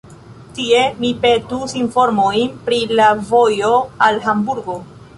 Tie mi petus informojn pri la vojo al Hamburgo.